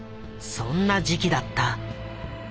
そんな時期だった。